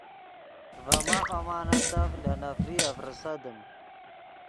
ڤے ماف امانتف لے نفریف ریسیدیم